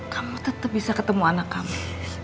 kamu tetap bisa ketemu anak kami